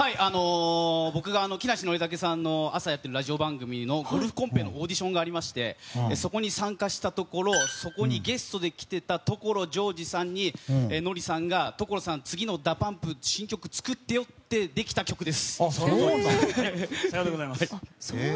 僕が木梨憲武さんの朝やってる番組のゴルフコンペのオーディションがありましてそこに参加したところそこにゲストで来ていた所ジョージさんにノリさんが、所さん次のＤＡＰＵＭＰの新曲作ってよってできた曲です。